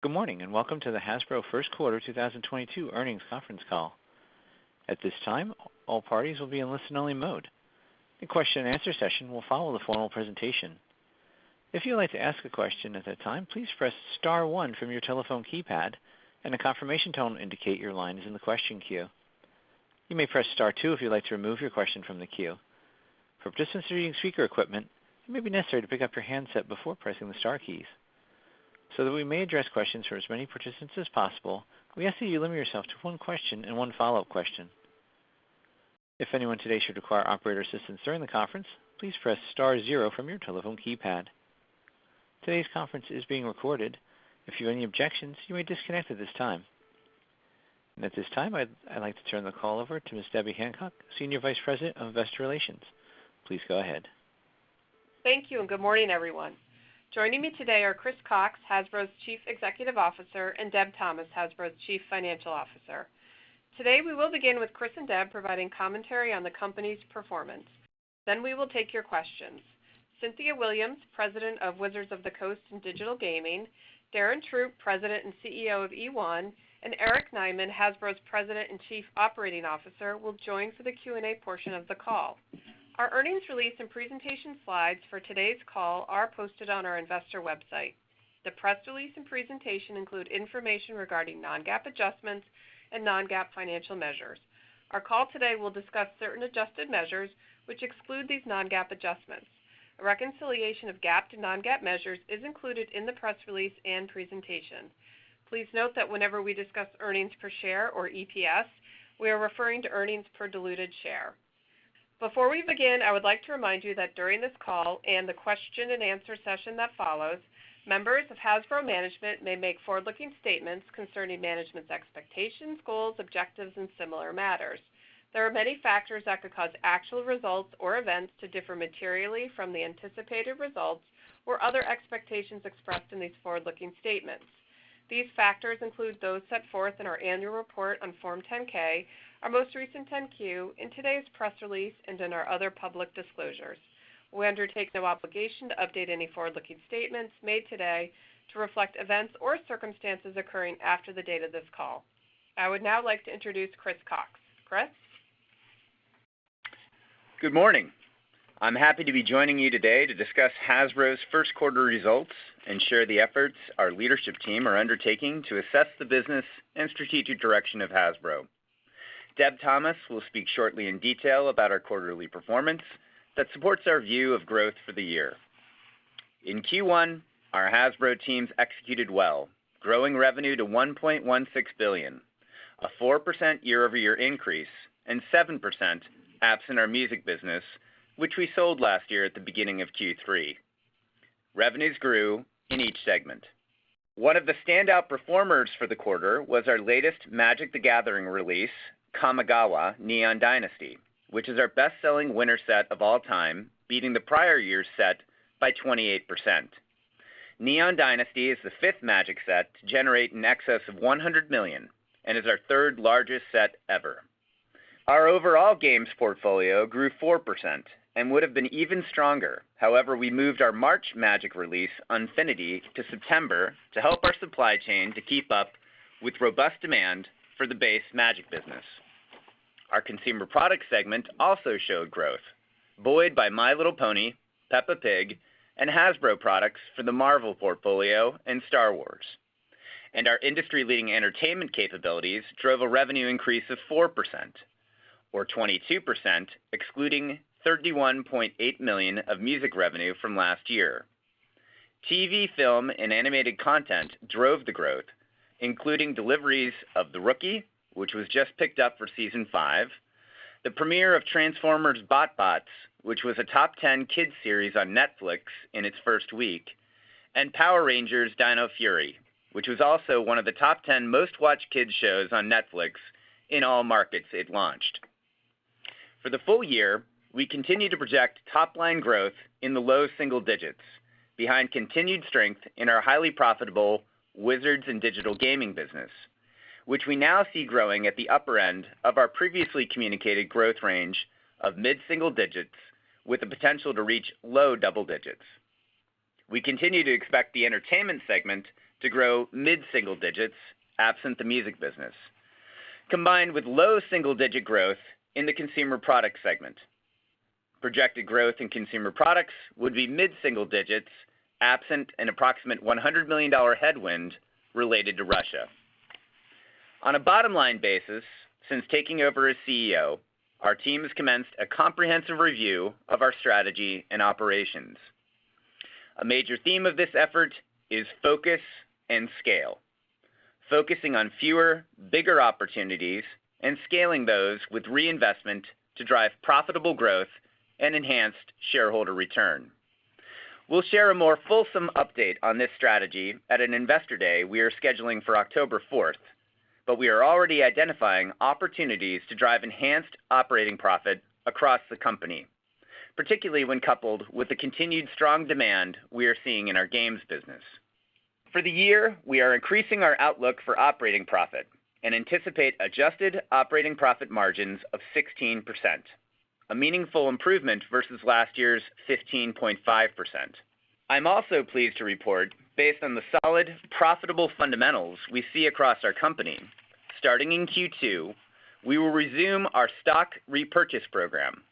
Good morning, and welcome to the Hasbro First Quarter 2022 Earnings Conference Call. At this time, all parties will be in listen-only mode. A question and answer session will follow the formal presentation. If you'd like to ask a question at that time, please press star one from your telephone keypad, and a confirmation tone will indicate your line is in the question queue. You may press star two if you'd like to remove your question from the queue. For participants using speaker equipment, it may be necessary to pick up your handset before pressing the star keys. That we may address questions for as many participants as possible, we ask that you limit yourself to one question and one follow-up question. If anyone today should require operator assistance during the conference, please press star zero from your telephone keypad. Today's conference is being recorded. If you have any objections, you may disconnect at this time. At this time, I'd like to turn the call over to Ms. Debbie Hancock, Senior Vice President of Investor Relations. Please go ahead. Thank you, and good morning, everyone. Joining me today are Chris Cocks, Hasbro's Chief Executive Officer, and Deb Thomas, Hasbro's Chief Financial Officer. Today, we will begin with Chris and Deb providing commentary on the company's performance. Then we will take your questions. Cynthia Williams, President of Wizards of the Coast and Digital Gaming, Darren Throop, President and CEO of eOne, and Eric Nyman, Hasbro's President and Chief Operating Officer, will join for the Q&A portion of the call. Our earnings release and presentation slides for today's call are posted on our investor website. The press release and presentation include information regarding non-GAAP adjustments and non-GAAP financial measures. Our call today will discuss certain adjusted measures which exclude these non-GAAP adjustments. A reconciliation of GAAP to non-GAAP measures is included in the press release and presentation. Please note that whenever we discuss earnings per share, or EPS, we are referring to earnings per diluted share. Before we begin, I would like to remind you that during this call and the question and answer session that follows, members of Hasbro management may make forward-looking statements concerning management's expectations, goals, objectives, and similar matters. There are many factors that could cause actual results or events to differ materially from the anticipated results or other expectations expressed in these forward-looking statements. These factors include those set forth in our annual report on Form 10-K, our most recent 10-Q, in today's press release, and in our other public disclosures. We undertake no obligation to update any forward-looking statements made today to reflect events or circumstances occurring after the date of this call. I would now like to introduce Chris Cocks. Chris? Good morning. I'm happy to be joining you today to discuss Hasbro's first quarter results and share the efforts our leadership team are undertaking to assess the business and strategic direction of Hasbro. Deb Thomas will speak shortly in detail about our quarterly performance that supports our view of growth for the year. In Q1, our Hasbro teams executed well, growing revenue to $1.16 billion, a 4% year-over-year increase and 7% absent our music business, which we sold last year at the beginning of Q3. Revenues grew in each segment. One of the standout performers for the quarter was our latest Magic: The Gathering release, Kamigawa: Neon Dynasty, which is our best-selling winter set of all time, beating the prior year's set by 28%. Neon Dynasty is the fifth Magic set to generate in excess of $100 million and is our third largest set ever. Our overall Games portfolio grew 4% and would have been even stronger. However, we moved our March Magic release, Unfinity, to September to help our supply chain to keep up with robust demand for the base Magic business. Our Consumer Products segment also showed growth, buoyed by My Little Pony, Peppa Pig, and Hasbro products for the Marvel portfolio and Star Wars. Our industry-leading entertainment capabilities drove a revenue increase of 4% or 22%, excluding $31.8 million of music revenue from last year. TV, film, and animated content drove the growth, including deliveries of The Rookie, which was just picked up for season five, the premiere of Transformers: BotBots, which was a top 10 kids series on Netflix in its first week, and Power Rangers Dino Fury, which was also one of the top 10 most-watched kids shows on Netflix in all markets it launched. For the full year, we continue to project top-line growth in the low single digits behind continued strength in our highly profitable Wizards and Digital Gaming business, which we now see growing at the upper end of our previously communicated growth range of mid-single digits with the potential to reach low double digits. We continue to expect the Entertainment segment to grow mid-single digits absent the music business, combined with low single-digit growth in the Consumer Products segment. Projected growth in consumer products would be mid-single digits absent an approximate $100 million headwind related to Russia. On a bottom-line basis, since taking over as CEO, our team has commenced a comprehensive review of our strategy and operations. A major theme of this effort is focus and scale, focusing on fewer, bigger opportunities and scaling those with reinvestment to drive profitable growth and enhanced shareholder return. We'll share a more fulsome update on this strategy at an investor day we are scheduling for October 4th, but we are already identifying opportunities to drive enhanced operating profit across the company, particularly when coupled with the continued strong demand we are seeing in our Games business. For the year, we are increasing our outlook for operating profit and anticipate adjusted operating profit margins of 16%. A meaningful improvement versus last year's 15.5%. I'm also pleased to report, based on the solid, profitable fundamentals we see across our company, starting in Q2, we will resume our stock repurchase program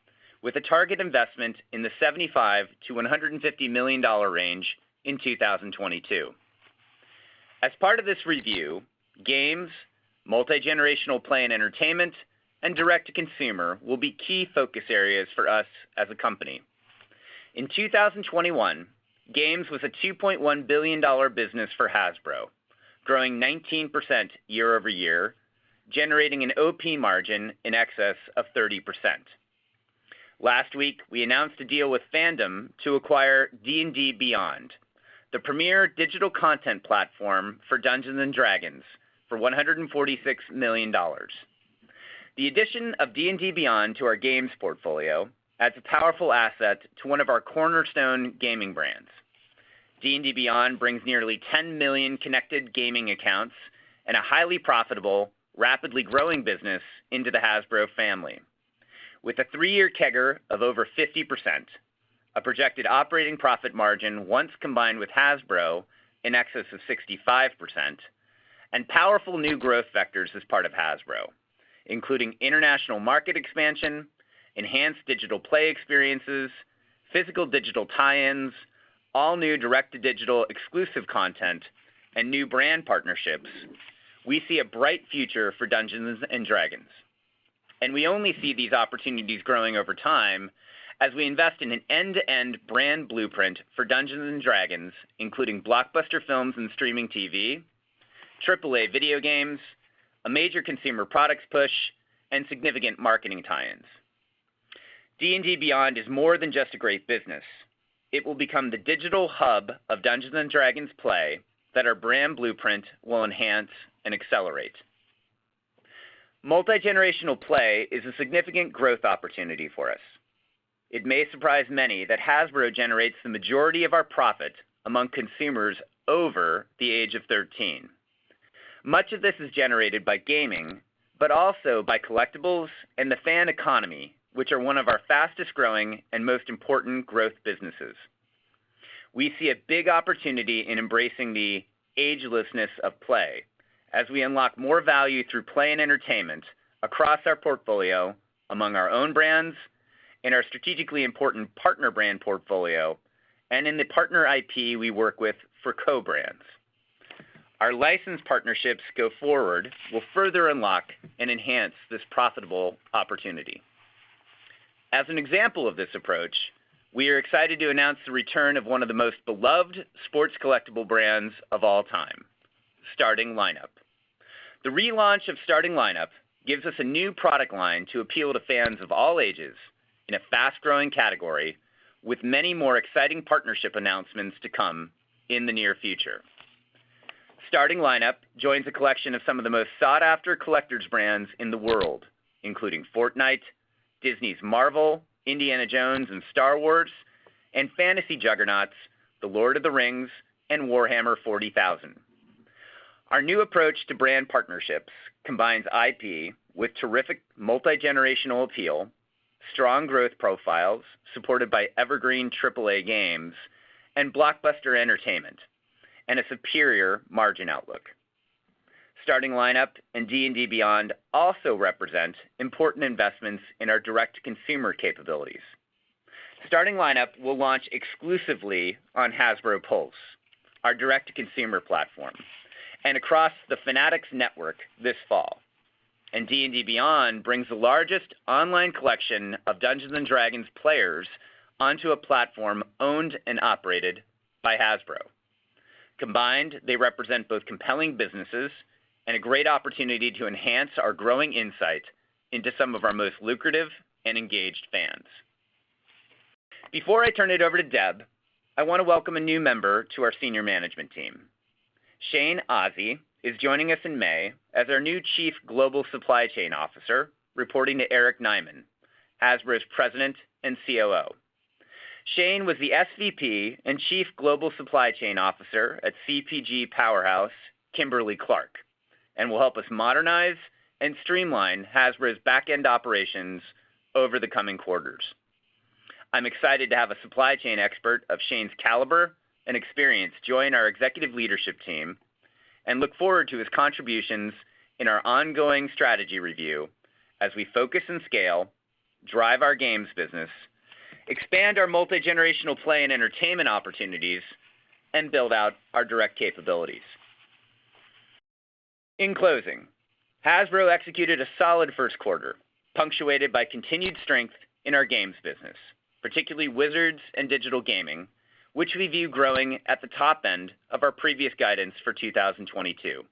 with a target investment in the $75 million-$150 million range in 2022. As part of this review, Games, Multi-Generational Play and Entertainment, and direct-to-consumer will be key focus areas for us as a company. In 2021, Games was a $2.1 billion business for Hasbro, growing 19% year-over-year, generating an OP margin in excess of 30%. Last week, we announced a deal with Fandom to acquire D&D Beyond, the premier digital content platform for Dungeons & Dragons, for $146 million. The addition of D&D Beyond to our Games portfolio adds a powerful asset to one of our cornerstone gaming brands. D&D Beyond brings nearly 10 million connected gaming accounts and a highly profitable, rapidly growing business into the Hasbro family. With a three-year CAGR of over 50%, a projected operating profit margin once combined with Hasbro in excess of 65%, and powerful new growth vectors as part of Hasbro, including international market expansion, enhanced digital play experiences, physical digital tie-ins, all new direct-to-digital exclusive content, and new brand partnerships, we see a bright future for Dungeons & Dragons. We only see these opportunities growing over time as we invest in an end-to-end brand blueprint for Dungeons & Dragons, including blockbuster films and streaming TV, AAA video games, a major consumer products push, and significant marketing tie-ins. D&D Beyond is more than just a great business. It will become the digital hub of Dungeons & Dragons play that our brand blueprint will enhance and accelerate. Multi-generational play is a significant growth opportunity for us. It may surprise many that Hasbro generates the majority of our profit among consumers over the age of 13. Much of this is generated by gaming, but also by collectibles and the fan economy, which are one of our fastest-growing and most important growth businesses. We see a big opportunity in embracing the agelessness of play as we unlock more value through play and entertainment across our portfolio among our own brands, in our strategically important partner brand portfolio, and in the partner IP we work with for co-brands. Our licensed partnerships going forward will further unlock and enhance this profitable opportunity. As an example of this approach, we are excited to announce the return of one of the most beloved sports collectible brands of all time, Starting Lineup. The relaunch of Starting Lineup gives us a new product line to appeal to fans of all ages in a fast-growing category with many more exciting partnership announcements to come in the near future. Starting Lineup joins a collection of some of the most sought-after collectors brands in the world, including Fortnite, Disney's Marvel, Indiana Jones and Star Wars, and Fantasy Juggernauts, The Lord of the Rings and Warhammer 40,000. Our new approach to brand partnerships combines IP with terrific multi-generational appeal, strong growth profiles supported by Evergreen AAA games and blockbuster entertainment, and a superior margin outlook. Starting Lineup and D&D Beyond also represent important investments in our direct-to-consumer capabilities. Starting Lineup will launch exclusively on Hasbro Pulse, our direct-to-consumer platform, and across the Fanatics network this fall. D&D Beyond brings the largest online collection of Dungeons & Dragons players onto a platform owned and operated by Hasbro. Combined, they represent both compelling businesses and a great opportunity to enhance our growing insight into some of our most lucrative and engaged fans. Before I turn it over to Deb, I want to welcome a new member to our senior management team. Shane Azzi is joining us in May as our new Chief Global Supply Chain Officer, reporting to Eric Nyman, Hasbro's President and COO. Shane was the SVP and Chief Global Supply Chain Officer at CPG powerhouse, Kimberly-Clark, and will help us modernize and streamline Hasbro's back-end operations over the coming quarters. I'm excited to have a supply chain expert of Shane's caliber and experience join our executive leadership team and look forward to his contributions in our ongoing strategy review as we focus and scale, drive our Games business, expand our multi-generational play and entertainment opportunities, and build out our direct capabilities. In closing, Hasbro executed a solid first quarter, punctuated by continued strength in our Games business, particularly Wizards and digital gaming, which we view growing at the top end of our previous guidance for 2022.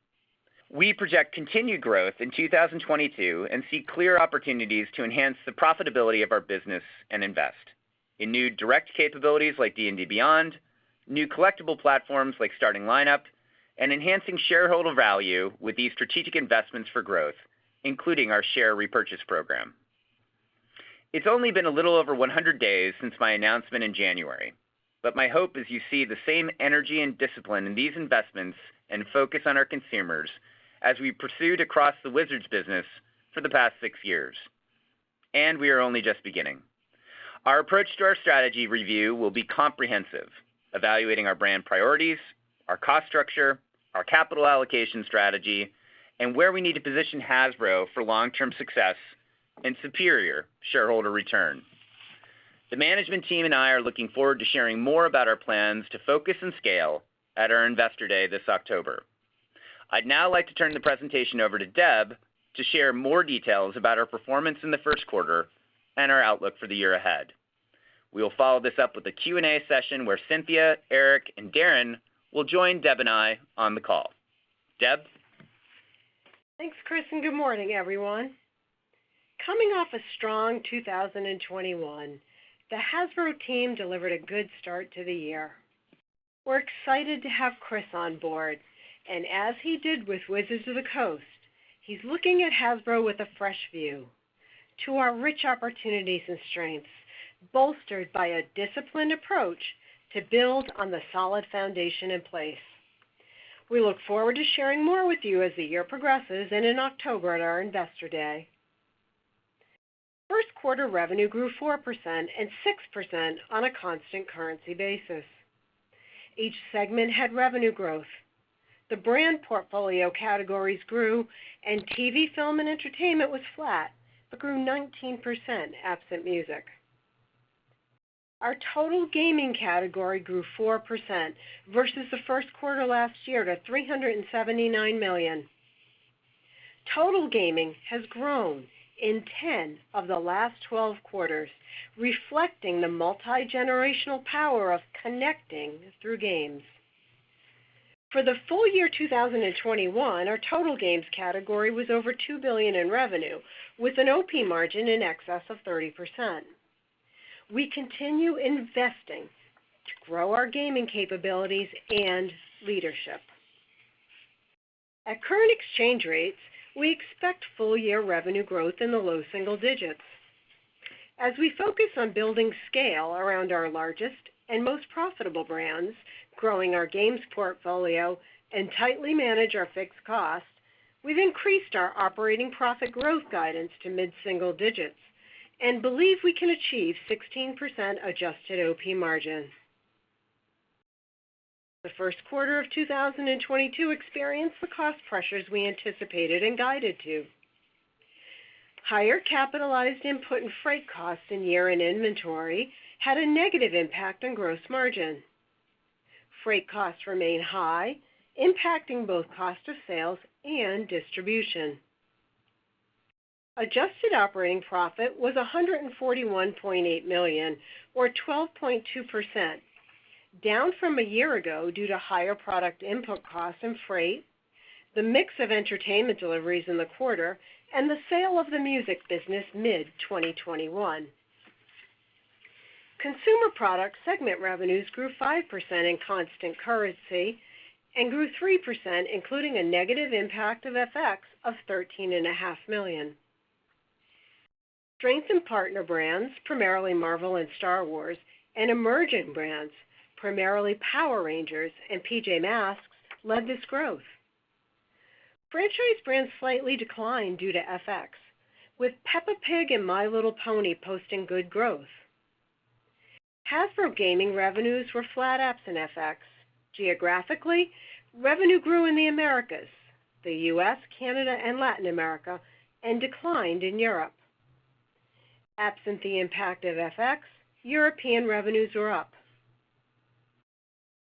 We project continued growth in 2022 and see clear opportunities to enhance the profitability of our business and invest in new direct capabilities like D&D Beyond, new collectible platforms like Starting Lineup, and enhancing shareholder value with these strategic investments for growth, including our share repurchase program. It's only been a little over 100 days since my announcement in January. My hope is you see the same energy and discipline in these investments and focus on our consumers as we pursued across the Wizards business for the past six years, and we are only just beginning. Our approach to our strategy review will be comprehensive, evaluating our brand priorities, our cost structure, our capital allocation strategy, and where we need to position Hasbro for long-term success and superior shareholder return. The management team and I are looking forward to sharing more about our plans to focus and scale at our Investor Day this October. I'd now like to turn the presentation over to Deb to share more details about our performance in the first quarter and our outlook for the year ahead. We will follow this up with a Q&A session where Cynthia, Eric, and Darren will join Deb and I on the call. Deb? Thanks, Chris, and good morning, everyone. Coming off a strong 2021, the Hasbro team delivered a good start to the year. We're excited to have Chris on board, and as he did with Wizards of the Coast, he's looking at Hasbro with a fresh view to our rich opportunities and strengths, bolstered by a disciplined approach to build on the solid foundation in place. We look forward to sharing more with you as the year progresses and in October at our Investor Day. First quarter revenue grew 4% and 6% on a constant currency basis. Each segment had revenue growth. The brand portfolio categories grew and TV, film, and entertainment was flat but grew 19% absent music. Our total gaming category grew 4% versus the first quarter last year to $379 million. Total gaming has grown in 10 of the last 12 quarters, reflecting the multi-generational power of connecting through games. For the full year 2021, our total games category was over $2 billion in revenue with an OP margin in excess of 30%. We continue investing to grow our gaming capabilities and leadership. At current exchange rates, we expect full-year revenue growth in the low single digits. As we focus on building scale around our largest and most profitable brands, growing our Games portfolio and tightly manage our fixed costs, we have increased our operating profit growth guidance to mid-single digits and believe we can achieve 16% adjusted OP margin. The first quarter of 2022 experienced the cost pressures we anticipated and guided to. Higher capitalized input and freight costs in year-end inventory had a negative impact on gross margin. Freight costs remain high, impacting both cost of sales and distribution. Adjusted operating profit was $141.8 million or 12.2%, down from a year ago due to higher product input costs and freight, the mix of entertainment deliveries in the quarter, and the sale of the music business mid-2021. Consumer Products segment revenues grew 5% in constant currency and grew 3% including a negative impact of FX of $13.5 million. Strength in partner brands, primarily Marvel and Star Wars, and emerging brands, primarily Power Rangers and PJ Masks, led this growth. Franchise brands slightly declined due to FX, with Peppa Pig and My Little Pony posting good growth. Hasbro Gaming revenues were flat absent FX. Geographically, revenue grew in the Americas, the U.S., Canada, and Latin America, and declined in Europe. Absent the impact of FX, European revenues were up.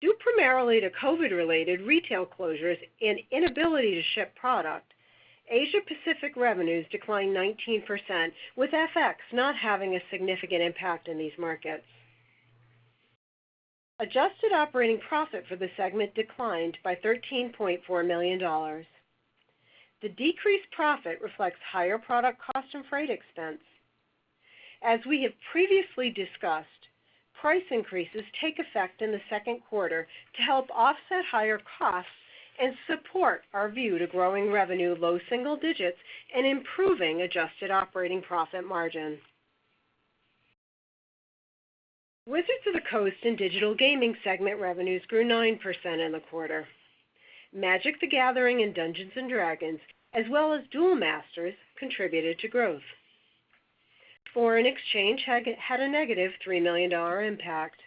Due primarily to COVID-related retail closures and inability to ship product, Asia-Pacific revenues declined 19% with FX not having a significant impact in these markets. Adjusted operating profit for the segment declined by $13.4 million. The decreased profit reflects higher product cost and freight expense. As we have previously discussed, price increases take effect in the second quarter to help offset higher costs and support our view to growing revenue low single digits and improving adjusted operating profit margin. Wizards of the Coast and Digital Gaming segment revenues grew 9% in the quarter. Magic: The Gathering and Dungeons & Dragons, as well as Duel Masters, contributed to growth. Foreign exchange had a negative $3 million impact.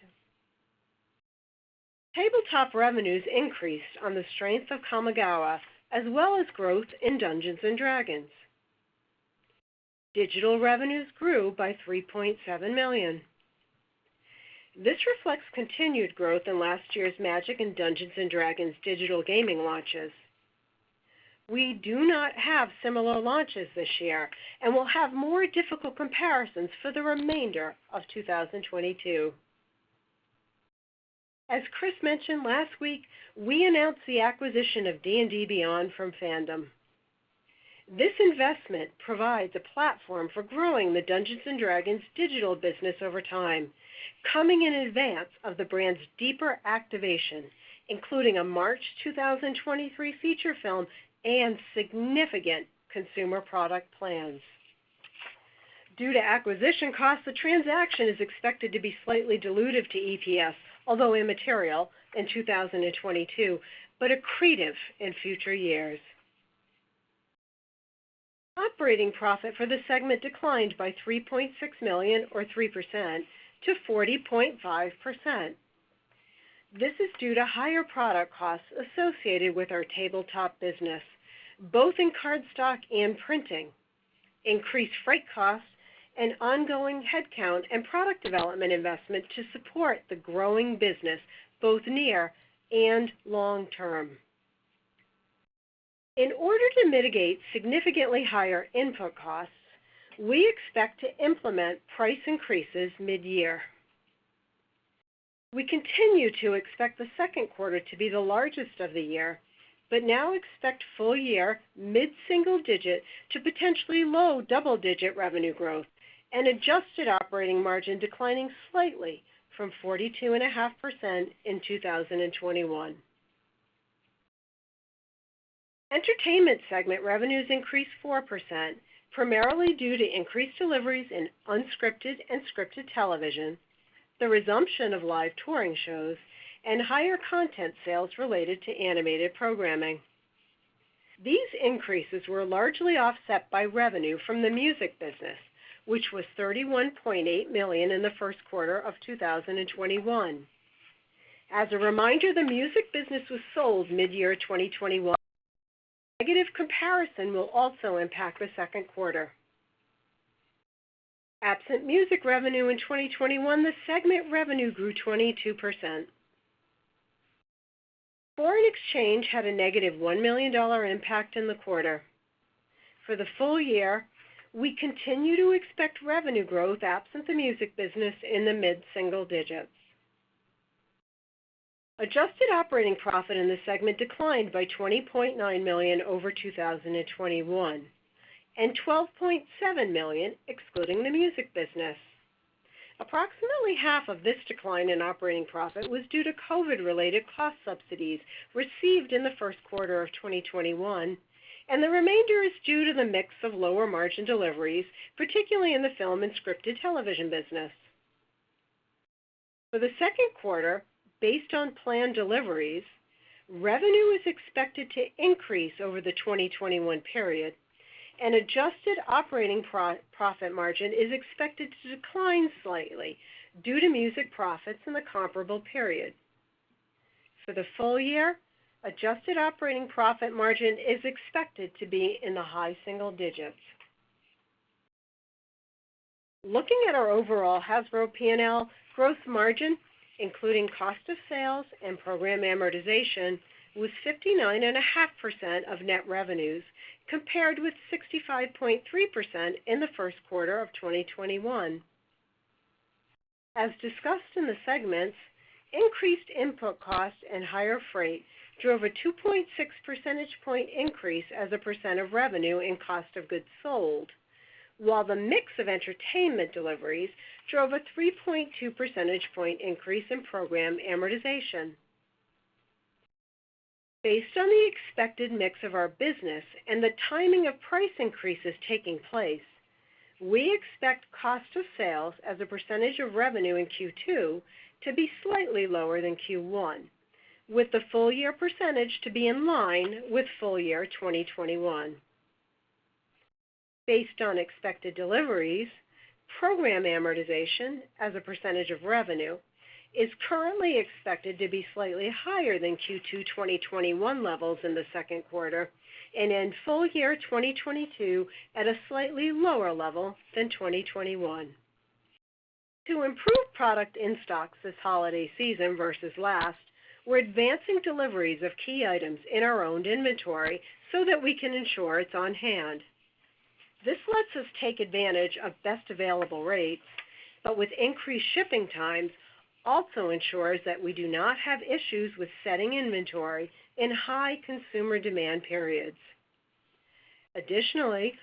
Tabletop revenues increased on the strength of Kamigawa as well as growth in Dungeons & Dragons. Digital revenues grew by $3.7 million. This reflects continued growth in last year's Magic and Dungeons & Dragons digital gaming launches. We do not have similar launches this year and will have more difficult comparisons for the remainder of 2022. As Chris mentioned last week, we announced the acquisition of D&D Beyond from Fandom. This investment provides a platform for growing the Dungeons & Dragons digital business over time, coming in advance of the brand's deeper activation, including a March 2023 feature film and significant consumer product plans. Due to acquisition costs, the transaction is expected to be slightly dilutive to EPS, although immaterial in 2022, but accretive in future years. Operating profit for the segment declined by $3.6 million or 3% to $40.5 million. This is due to higher product costs associated with our tabletop business, both in card stock and printing, increased freight costs and ongoing headcount and product development investments to support the growing business both near and long term. In order to mitigate significantly higher input costs, we expect to implement price increases mid-year. We continue to expect the second quarter to be the largest of the year, but now expect full year mid-single digit to potentially low double-digit revenue growth and adjusted operating margin declining slightly from 42.5% in 2021. Entertainment segment revenues increased 4%, primarily due to increased deliveries in unscripted and scripted television, the resumption of live touring shows and higher content sales related to animated programming. These increases were largely offset by revenue from the music business, which was $31.8 million in the first quarter of 2021. As a reminder, the music business was sold mid-2021. Negative comparison will also impact the second quarter. Absent Music revenue in 2021, the segment revenue grew 22%. Foreign exchange had a negative $1 million impact in the quarter. For the full year, we continue to expect revenue growth after the music business in the mid-single digits. Adjusted operating profit in the segment declined by $20.9 million over 2021 and $12.7 million, excluding the music business. Approximately half of this decline in operating profit was due to COVID related cost subsidies received in the first quarter of 2021, and the remainder is due to the mix of lower margin deliveries, particularly in the film and scripted television business. For the second quarter, based on planned deliveries, revenue is expected to increase over the 2021 period and adjusted operating profit margin is expected to decline slightly due to music profits in the comparable period. For the full year, adjusted operating profit margin is expected to be in the high single digits. Looking at our overall Hasbro P&L gross margin, including cost of sales and program amortization, was 59.5% of net revenues, compared with 65.3% in the first quarter of 2021. As discussed in the segments, increased input costs and higher freight drove a 2.6 percentage point increase as a percent of revenue in cost of goods sold. While the mix of entertainment deliveries drove a 3.2 percentage point increase in program amortization. Based on the expected mix of our business and the timing of price increases taking place, we expect cost of sales as a percentage of revenue in Q2 to be slightly lower than Q1, with the full year percentage to be in line with full year 2021. Based on expected deliveries, program amortization as a percentage of revenue is currently expected to be slightly higher than Q2 2021 levels in the second quarter and in full year 2022 at a slightly lower level than 2021. To improve product instocks this holiday season versus last, we're advancing deliveries of key items in our owned inventory so that we can ensure it's on hand. This lets us take advantage of best available rates, but with increased shipping times also ensures that we do not have issues with stocking inventory in high consumer demand periods. Additionally,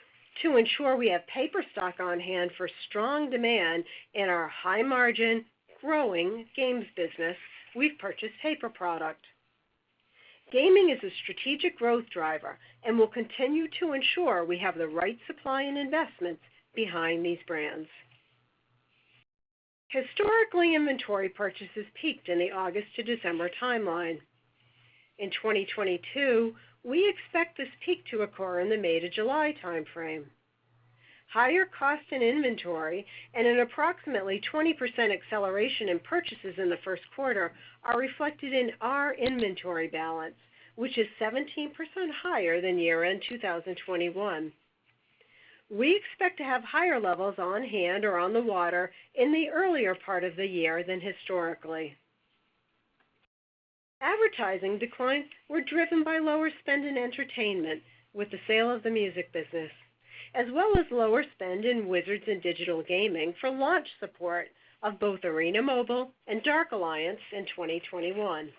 to ensure we have paper stock on hand for strong demand in our high margin growing Games business, we've purchased paper product. Gaming is a strategic growth driver and will continue to ensure we have the right supply and investments behind these brands. Historically, inventory purchases peaked in the August to December timeline. In 2022, we expect this peak to occur in the May to July time frame. Higher costs in inventory and an approximately 20% acceleration in purchases in the first quarter are reflected in our inventory balance, which is 17% higher than year-end 2021. We expect to have higher levels on hand or on the water in the earlier part of the year than historically. Advertising declines were driven by lower spend in entertainment with the sale of the music business, as well as lower spend in Wizards and Digital Gaming for launch support of both Arena Mobile and Dark Alliance in 2021.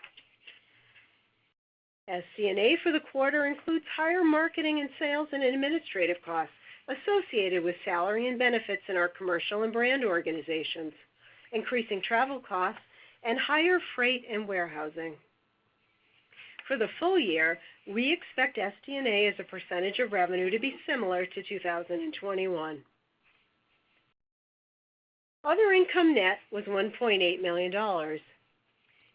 SD&A for the quarter includes higher marketing and sales and administrative costs associated with salary and benefits in our commercial and brand organizations, increasing travel costs and higher freight and warehousing. For the full year, we expect SD&A as a percentage of revenue to be similar to 2021. Other income net was $1.8 million.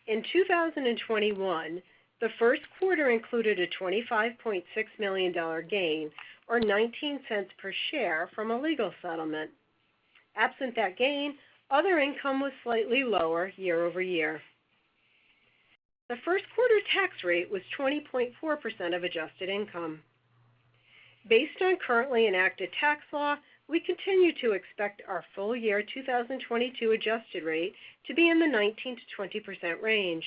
In 2021, the first quarter included a $25.6 million gain, or 19 cents per share, from a legal settlement. After that gain, other income was slightly lower year over year. The first quarter tax rate was 20.4% of adjusted income. Based on currently enacted tax law, we continue to expect our full year 2022 adjusted rate to be in the 19%-20% range.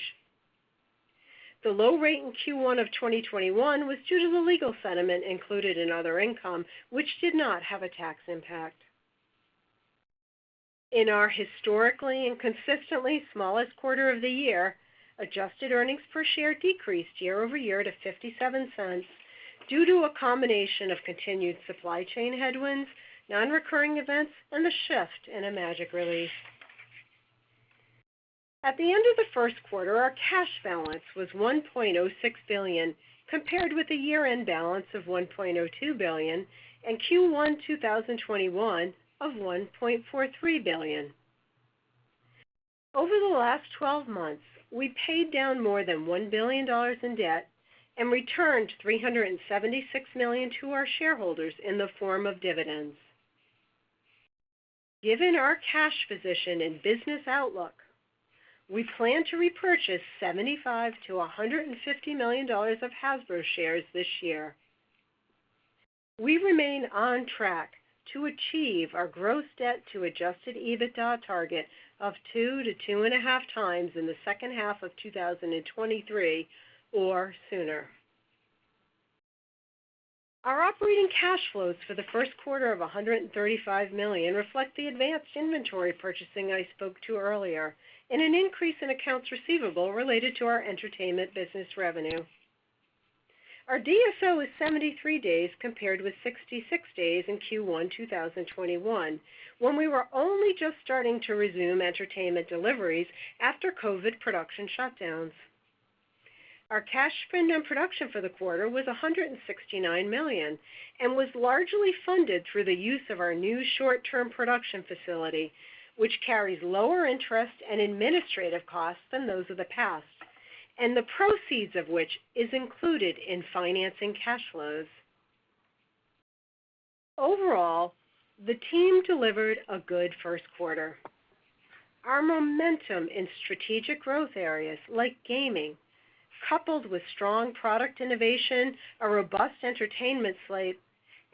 The low rate in Q1 of 2021 was due to the legal settlement included in other income, which did not have a tax impact. In our historically and consistently smallest quarter of the year, adjusted earnings per share decreased year over year to 57 cents due to a combination of continued supply chain headwinds, non-recurring events, and the shift in a Magic release. At the end of the first quarter, our cash balance was $1.06 billion, compared with a year-end balance of $1.02 billion and Q1 2021 of $1.43 billion. Over the last 12 months, we paid down more than $1 billion in debt and returned $376 million to our shareholders in the form of dividends. Given our cash position and business outlook, we plan to repurchase $75 million-$150 million of Hasbro shares this year. We remain on track to achieve our gross debt to adjusted EBITDA target of 2-2.5x in the second half of 2023 or sooner. Our operating cash flows for the first quarter of $135 million reflect the advanced inventory purchasing I spoke to earlier and an increase in accounts receivable related to our entertainment business revenue. Our DSO is 73 days compared with 66 days in Q1 2021, when we were only just starting to resume entertainment deliveries after COVID production shutdowns. Our cash spend on production for the quarter was $169 million and was largely funded through the use of our new short-term production facility, which carries lower interest and administrative costs than those of the past, and the proceeds of which is included in financing cash flows. Overall, the team delivered a good first quarter. Our momentum in strategic growth areas like gaming, coupled with strong product innovation, a robust entertainment slate,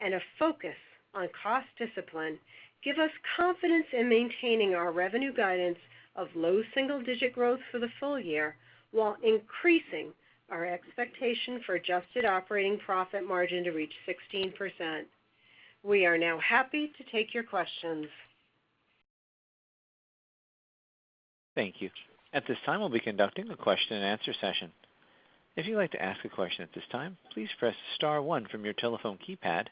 and a focus on cost discipline give us confidence in maintaining our revenue guidance of low single-digit growth for the full year while increasing our expectation for adjusted operating profit margin to reach 16%. We are now happy to take your questions. Thank you. At this time, we'll be conducting a question and answer session. If you'd like to ask a question at this time, please press star one from your telephone keypad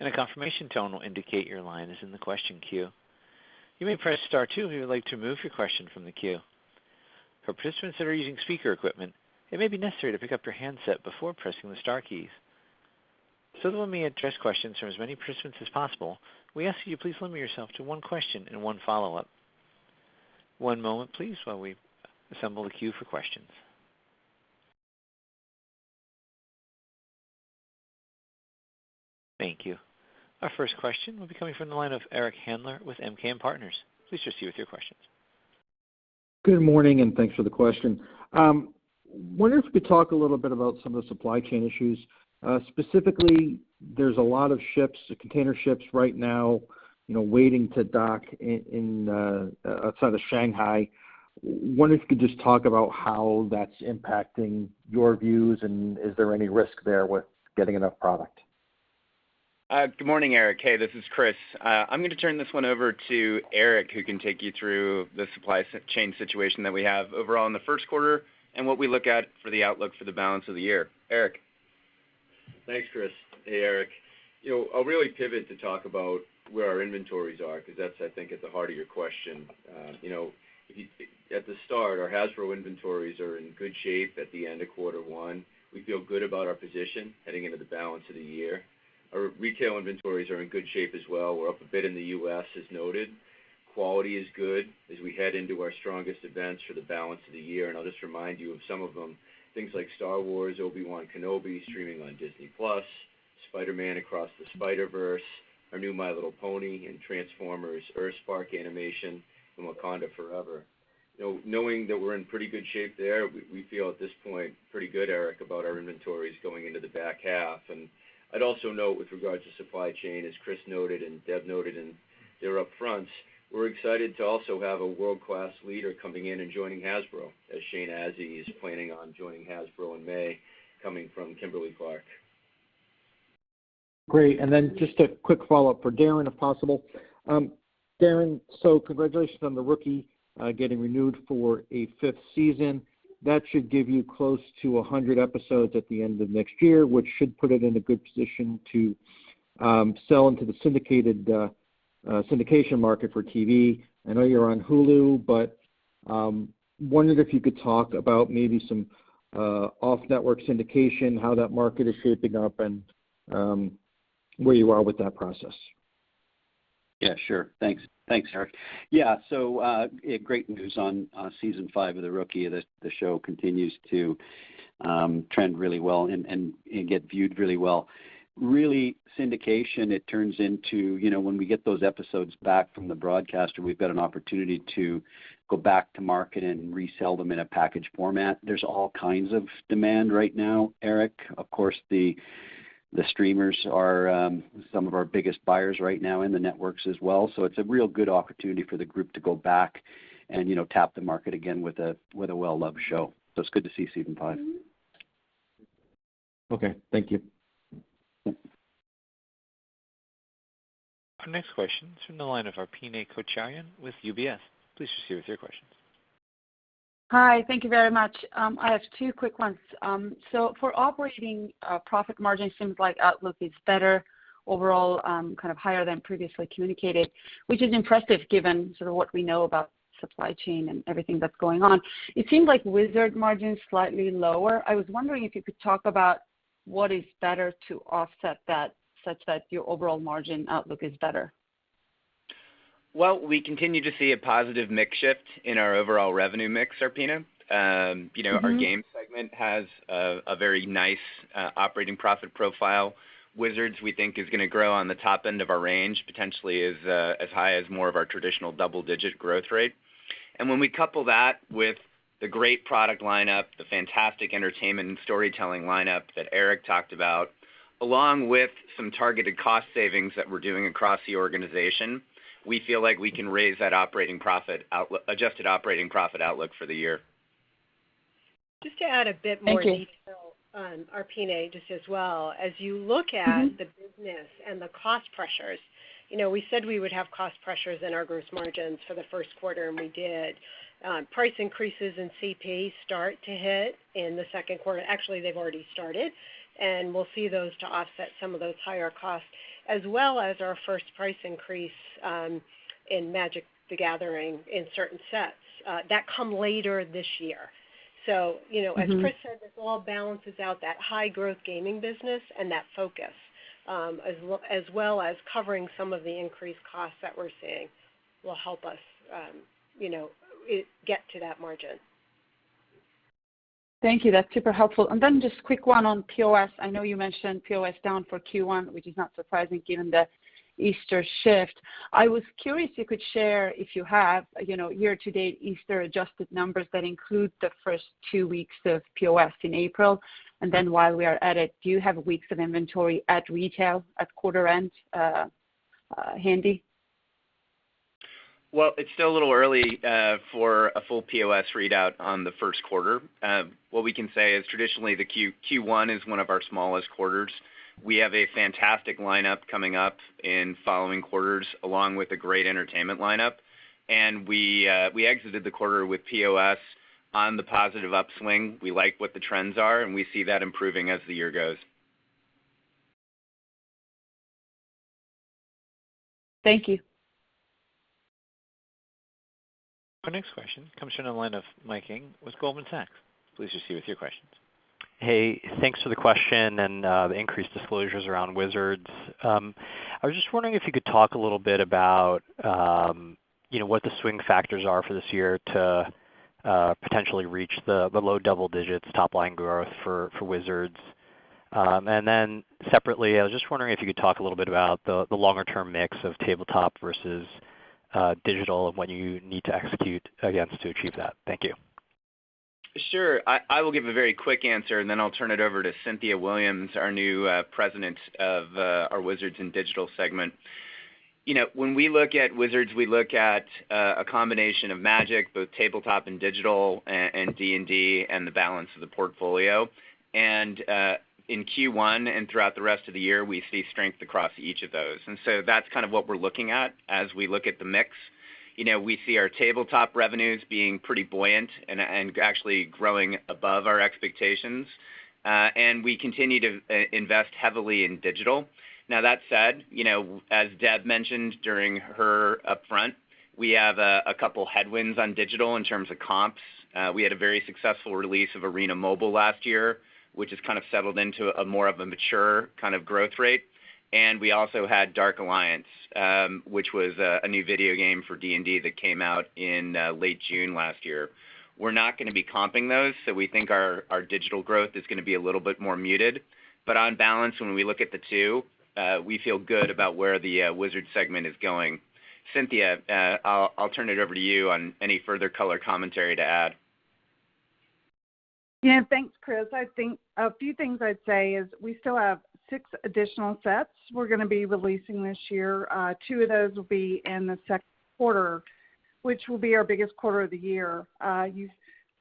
and a confirmation tone will indicate your line is in the question queue. You may press star two if you would like to remove your question from the queue. For participants that are using speaker equipment, it may be necessary to pick up your handset before pressing the star keys. That we may address questions from as many participants as possible, we ask that you please limit yourself to one question and one follow-up. One moment, please, while we assemble the queue for questions. Thank you. Our first question will be coming from the line of Eric Handler with MKM Partners. Please proceed with your questions. Good morning, and thanks for the question. Wondering if you could talk a little bit about some of the supply chain issues. Specifically, there's a lot of ships, container ships right now, you know, waiting to dock outside of Shanghai. Wondering if you could just talk about how that's impacting your views, and is there any risk there with getting enough product? Good morning, Eric. Hey, this is Chris. I'm gonna turn this one over to Eric, who can take you through the supply chain situation that we have overall in the first quarter and what we look at for the outlook for the balance of the year. Eric? Thanks, Chris. Hey, Eric. You know, I'll really pivot to talk about where our inventories are because that's, I think, at the heart of your question. You know, at the start, our Hasbro inventories are in good shape at the end of quarter one. We feel good about our position heading into the balance of the year. Our retail inventories are in good shape as well. We're up a bit in the U.S., as noted. Quality is good as we head into our strongest events for the balance of the year, and I'll just remind you of some of them. Things like Star Wars, Obi-Wan Kenobi streaming on Disney+, Spider-Man: Across the Spider-Verse, our new My Little Pony, and Transformers: EarthSpark animation, and Wakanda Forever. You know, knowing that we're in pretty good shape there, we feel at this point pretty good, Eric, about our inventories going into the back half. I'd also note with regards to supply chain, as Chris noted and Deb noted in their upfronts, we're excited to also have a world-class leader coming in and joining Hasbro as Shane Azzi is planning on joining Hasbro in May, coming from Kimberly-Clark. Great. Just a quick follow-up for Darren, if possible. Darren, congratulations on The Rookie getting renewed for a fifth season. That should give you close to 100 episodes at the end of next year, which should put it in a good position to sell into syndication. Syndication market for TV. I know you're on Hulu, but I wondered if you could talk about maybe some off-network syndication, how that market is shaping up, and where you are with that process. Yeah, sure. Thanks. Thanks, Eric. Yeah. Great news on season five of The Rookie. The show continues to trend really well and get viewed really well. In syndication, it turns into, you know, when we get those episodes back from the broadcaster, we've got an opportunity to go back to market and resell them in a package format. There's all kinds of demand right now, Eric. Of course, the streamers are some of our biggest buyers right now, and the networks as well. It's a real good opportunity for the group to go back and, you know, tap the market again with a well-loved show. It's good to see season five. Okay, thank you. Yeah. Our next question is from the line of Arpine Kocharyan with UBS. Please proceed with your questions. Hi, thank you very much. I have two quick ones. For operating profit margin, seems like outlook is better overall, kind of higher than previously communicated, which is impressive given sort of what we know about supply chain and everything that's going on. It seems like Wizards margin's slightly lower. I was wondering if you could talk about what is better to offset that such that your overall margin outlook is better. Well, we continue to see a positive mix shift in our overall revenue mix, Arpine. You know. Mm-hmm... our Game segment has a very nice operating profit profile. Wizards, we think, is gonna grow on the top end of our range, potentially as high as more of our traditional double-digit growth rate. When we couple that with the great product lineup, the fantastic entertainment and storytelling lineup that Eric talked about, along with some targeted cost savings that we're doing across the organization, we feel like we can raise that adjusted operating profit outlook for the year. Thank you. Just to add a bit more detail, Arpine, just as well. As you look at- Mm-hmm the business and the cost pressures, you know, we said we would have cost pressures in our gross margins for the first quarter, and we did. Price increases in CP start to hit in the second quarter. Actually, they've already started, and we'll see those to offset some of those higher costs, as well as our first price increase in Magic: The Gathering in certain sets that come later this year. Mm-hmm As Chris said, this all balances out that high growth gaming business and that focus, as well as covering some of the increased costs that we're seeing will help us, you know, it'll get to that margin. Thank you. That's super helpful. Then just quick one on POS. I know you mentioned POS down for Q1, which is not surprising given the Easter shift. I was curious if you could share, if you have, you know, year-to-date Easter-adjusted numbers that include the first two weeks of POS in April. Then while we are at it, do you have weeks of inventory at retail at quarter end handy? Well, it's still a little early for a full POS readout on the first quarter. What we can say is traditionally the Q1 is one of our smallest quarters. We have a fantastic lineup coming up in following quarters, along with a great entertainment lineup. We exited the quarter with POS on the positive upswing. We like what the trends are, and we see that improving as the year goes. Thank you. Our next question comes from the line of Mike Ng with Goldman Sachs. Please proceed with your questions. Hey, thanks for the question and the increased disclosures around Wizards. I was just wondering if you could talk a little bit about you know what the swing factors are for this year to potentially reach the low double digits top line growth for Wizards. Separately, I was just wondering if you could talk a little bit about the longer term mix of tabletop versus digital and what you need to execute against to achieve that. Thank you. Sure. I will give a very quick answer, and then I'll turn it over to Cynthia Williams, our new President of our Wizards and Digital segment. You know, when we look at Wizards, we look at a combination of Magic, both tabletop and digital, and D&D and the balance of the portfolio. In Q1 and throughout the rest of the year, we see strength across each of those. That's kind of what we're looking at as we look at the mix. You know, we see our tabletop revenues being pretty buoyant and actually growing above our expectations. We continue to invest heavily in digital. Now, that said, you know, as Deb mentioned during her upfront, we have a couple headwinds on digital in terms of comps. We had a very successful release of Arena Mobile last year, which has kind of settled into more of a mature kind of growth rate. We also had Dark Alliance, which was a new video game for D&D that came out in late June last year. We're not gonna be comping those, so we think our digital growth is gonna be a little bit more muted. On balance, when we look at the two, we feel good about where the Wizards segment is going. Cynthia, I'll turn it over to you on any further color commentary to add. Yeah. Thanks, Chris. I think a few things I'd say is we still have six additional sets we're gonna be releasing this year. Two of those will be in the second quarter, which will be our biggest quarter of the year. You've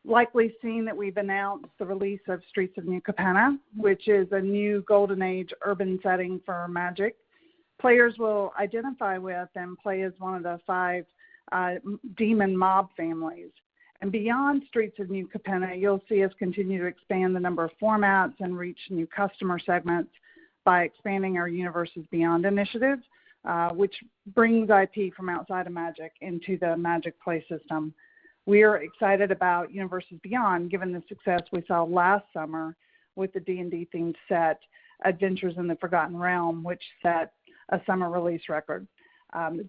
likely seen that we've announced the release of Streets of New Capenna, which is a new golden age urban setting for Magic. Players will identify with and play as one of the five demon mob families. Beyond Streets of New Capenna, you'll see us continue to expand the number of formats and reach new customer segments by expanding our Universes Beyond initiatives, which brings IP from outside of Magic into the Magic Play system. We are excited about Universes Beyond, given the success we saw last summer with the D&D-themed set, Adventures in the Forgotten Realms, which set a summer release record.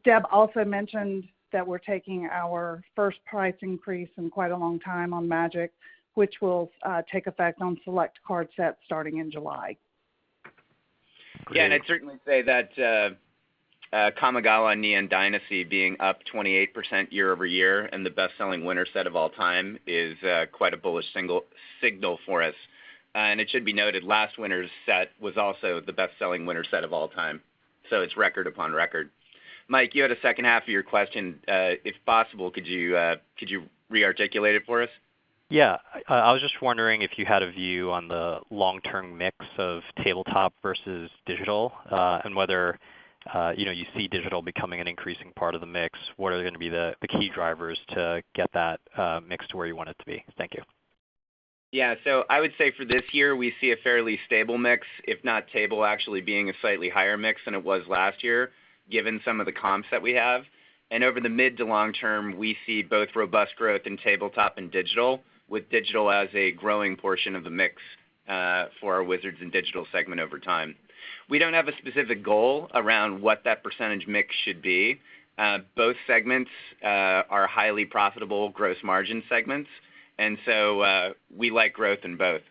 Deb also mentioned that we're taking our first price increase in quite a long time on Magic, which will take effect on select card sets starting in July. Yeah. I'd certainly say that Kamigawa: Neon Dynasty being up 28% year-over-year and the best-selling winter set of all time is quite a bullish signal for us. It should be noted, last winter's set was also the best-selling winter set of all time. It's record upon record. Mike, you had a second half of your question. If possible, could you re-articulate it for us? Yeah. I was just wondering if you had a view on the long-term mix of tabletop versus digital, and whether, you know, you see digital becoming an increasing part of the mix. What are gonna be the key drivers to get that mix to where you want it to be? Thank you. Yeah. I would say for this year, we see a fairly stable mix, if not stable actually being a slightly higher mix than it was last year, given some of the comps that we have. Over the mid to long term, we see both robust growth in tabletop and digital, with digital as a growing portion of the mix, for our Wizards and Digital segment over time. We don't have a specific goal around what that percentage mix should be. Both segments are highly profitable gross margin segments, and so we like growth in both.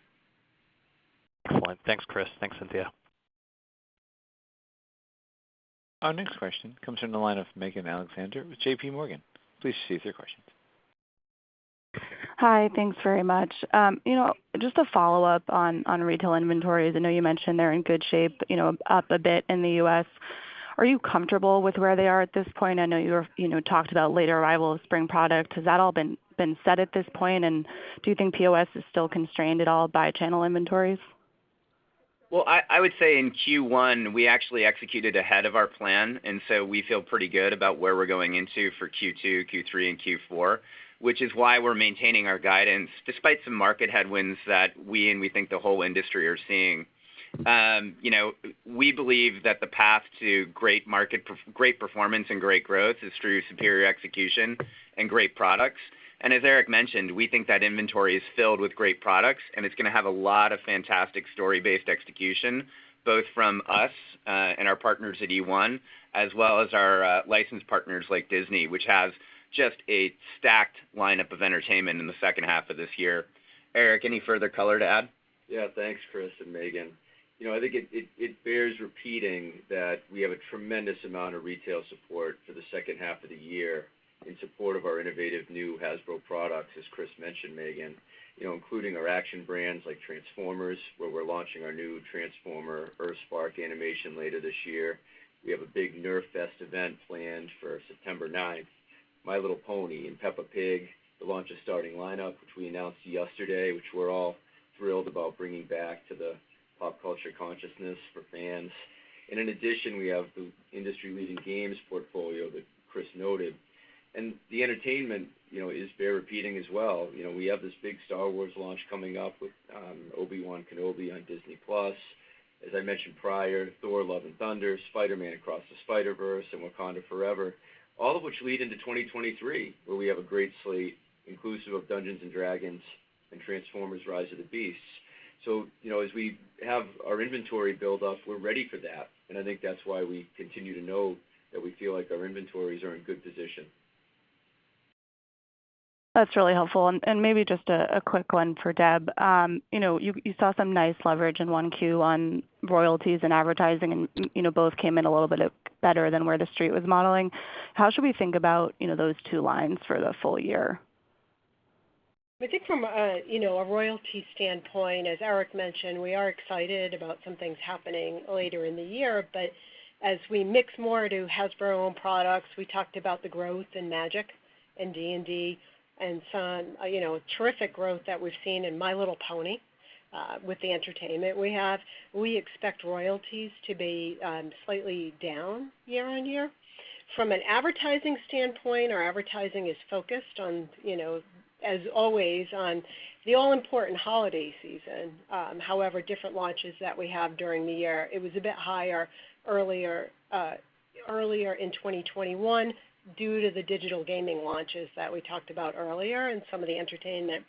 Excellent. Thanks, Chris. Thanks, Cynthia. Our next question comes from the line of Megan Alexander with JPMorgan. Please proceed with your question. Hi. Thanks very much. You know, just a follow-up on retail inventories. I know you mentioned they're in good shape, you know, up a bit in the U.S. Are you comfortable with where they are at this point? I know you're, you know, talked about later arrival of spring product. Has that all been set at this point? And do you think POS is still constrained at all by channel inventories? Well, I would say in Q1, we actually executed ahead of our plan, and so we feel pretty good about where we're going into for Q2, Q3, and Q4, which is why we're maintaining our guidance despite some market headwinds that we think the whole industry are seeing. You know, we believe that the path to great performance and great growth is through superior execution and great products. As Eric mentioned, we think that inventory is filled with great products, and it's gonna have a lot of fantastic story-based execution, both from us, and our partners at eOne, as well as our licensed partners like Disney, which has just a stacked lineup of entertainment in the second half of this year. Eric, any further color to add? Yeah. Thanks, Chris and Megan. You know, I think it bears repeating that we have a tremendous amount of retail support for the second half of the year in support of our innovative new Hasbro products, as Chris mentioned, Megan. You know, including our action brands like Transformers, where we're launching our new Transformers: EarthSpark animation later this year. We have a big Nerf Fest event planned for September ninth. My Little Pony and Peppa Pig, the launch of Starting Lineup, which we announced yesterday, which we're all thrilled about bringing back to the pop culture consciousness for fans. In addition, we have the industry-leading games portfolio that Chris noted. The entertainment, you know, bears repeating as well. You know, we have this big Star Wars launch coming up with Obi-Wan Kenobi on Disney+. As I mentioned prior, Thor: Love and Thunder, Spider-Man: Across the Spider-Verse, and Black Panther: Wakanda Forever, all of which lead into 2023, where we have a great slate inclusive of Dungeons & Dragons and Transformers: Rise of the Beasts. You know, as we have our inventory build up, we're ready for that. I think that's why we continue to know that we feel like our inventories are in good position. That's really helpful. Maybe just a quick one for Deb. You know, you saw some nice leverage in 1Q on royalties and advertising and, you know, both came in a little bit better than where the Street was modeling. How should we think about, you know, those two lines for the full year? I think from a royalty standpoint, as Eric mentioned, we are excited about some things happening later in the year. As we mix more to Hasbro owned products, we talked about the growth in Magic and D&D and some, you know, terrific growth that we've seen in My Little Pony with the entertainment we have. We expect royalties to be slightly down year-over-year. From an advertising standpoint, our advertising is focused on, you know, as always, on the all-important holiday season. However, different launches that we have during the year, it was a bit higher earlier in 2021 due to the digital gaming launches that we talked about earlier and some of the entertainment.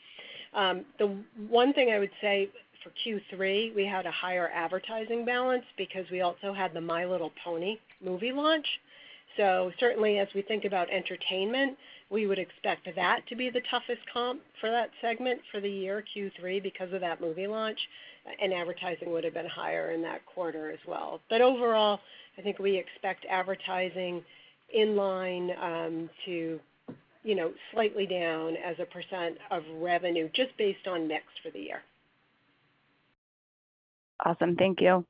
The one thing I would say for Q3, we had a higher advertising balance because we also had the My Little Pony movie launch. Certainly as we think about entertainment, we would expect that to be the toughest comp for that segment for the year Q3 because of that movie launch, and advertising would have been higher in that quarter as well. Overall, I think we expect advertising in line, you know, slightly down as a percent of revenue just based on mix for the year. Awesome. Thank you.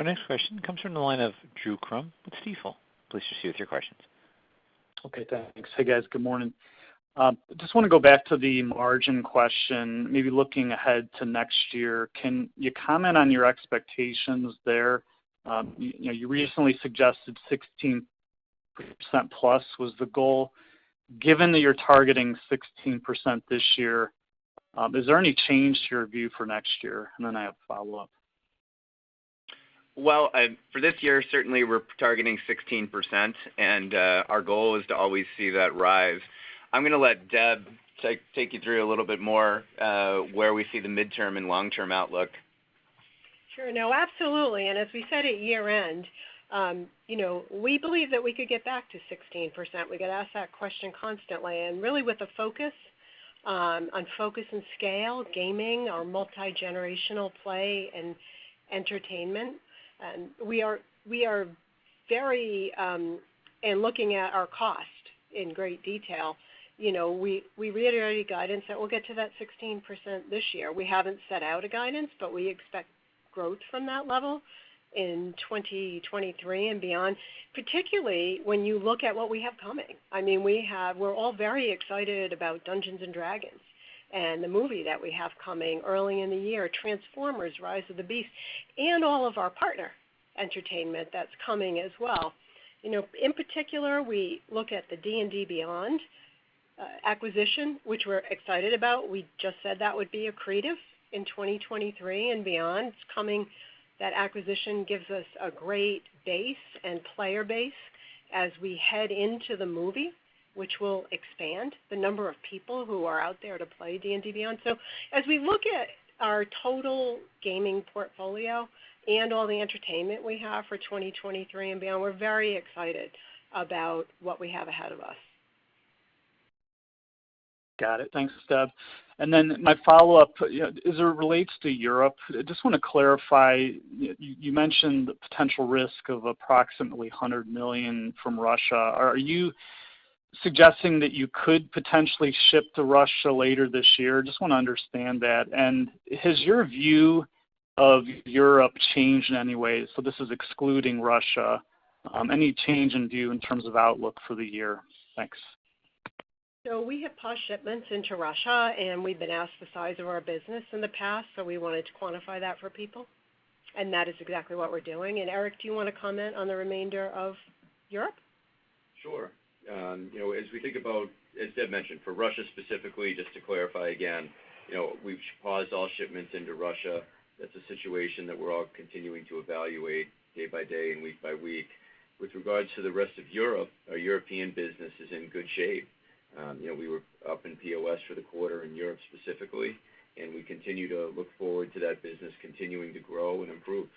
Our next question comes from the line of Drew Crum with Stifel. Please proceed with your questions. Okay, thanks. Hey, guys. Good morning. I just want to go back to the margin question, maybe looking ahead to next year. Can you comment on your expectations there? You know, you recently suggested 16% plus was the goal. Given that you're targeting 16% this year, is there any change to your view for next year? I have a follow-up. Well, for this year, certainly we're targeting 16%, and our goal is to always see that rise. I'm gonna let Deb take you through a little bit more where we see the midterm and long-term outlook. Sure. No, absolutely, and as we said at year-end, you know, we believe that we could get back to 16%. We get asked that question constantly, and really with the focus on focus and scale, gaming, our multi-generational play and entertainment. We are very looking at our cost in great detail. You know, we reiterate guidance that we'll get to that 16% this year. We haven't set out a guidance, but we expect growth from that level in 2023 and beyond, particularly when you look at what we have coming. I mean, we're all very excited about Dungeons & Dragons and the movie that we have coming early in the year, Transformers: Rise of the Beasts, and all of our partner entertainment that's coming as well. You know, in particular, we look at the D&D Beyond acquisition, which we're excited about. We just said that would be accretive in 2023 and beyond. It's coming. That acquisition gives us a great base and player base as we head into the movie, which will expand the number of people who are out there to play D&D Beyond. As we look at our total gaming portfolio and all the entertainment we have for 2023 and beyond, we're very excited about what we have ahead of us. Got it. Thanks, Deb. My follow-up, you know, as it relates to Europe, I just wanna clarify, you mentioned the potential risk of approximately $100 million from Russia. Are you suggesting that you could potentially ship to Russia later this year? Just wanna understand that. Has your view of Europe changed in any way? This is excluding Russia. Any change in view in terms of outlook for the year? Thanks. We have paused shipments into Russia, and we've been asked the size of our business in the past, so we wanted to quantify that for people, and that is exactly what we're doing. Eric, do you wanna comment on the remainder of Europe? Sure. You know, as we think about, as Deb mentioned, for Russia specifically, just to clarify again, you know, we've paused all shipments into Russia. That's a situation that we're all continuing to evaluate day by day and week by week. With regards to the rest of Europe, our European business is in good shape. You know, we were up in POS for the quarter in Europe specifically, and we continue to look forward to that business continuing to grow and improve.